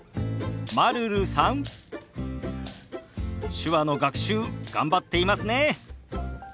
手話の学習頑張っていますね。